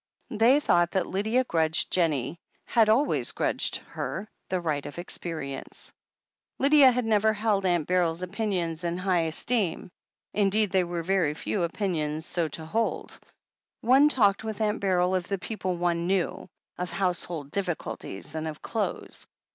They thought that Lydia grudged Jennie — had al ways grudged her — ^the right of experience. THE HEEL OF ACHILLES 437 Lydia had never held Aunt Beryl's opinions in high esteem. Indeed, there were very few opinions so to hold. One talked with Aunt Beryl of the people one knew, of household difficulties, and of clothes.